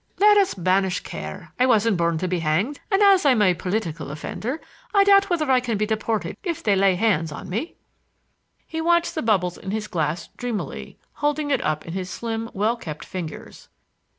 Let us banish care. I wasn't born to be hanged; and as I'm a political offender, I doubt whether I can be deported if they lay hands on me." He watched the bubbles in his glass dreamily, holding it up in his slim well kept fingers.